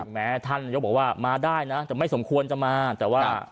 แม้ท่านนายกบอกว่ามาได้นะแต่ไม่สมควรจะมาแต่ว่า